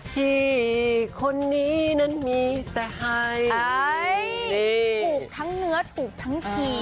ที่คนนี้นั้นมีแต่ไห่